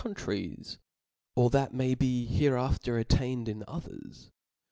's^ tries, or that may be hereafter attained in othersf and 4.